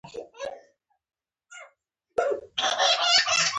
کوتره په ونو کې ځاله جوړوي.